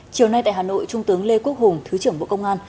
chiều nay tại hà nội trung tướng lê quốc hùng thứ trưởng bộ công an